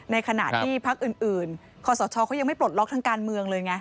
ในขณะที่พักอื่นคอสชเขายังไม่ปลดล็อกทางการเมืองเลยไง